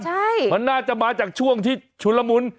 ใช่มันน่าจะมาจากช่วงที่ชุนละมุน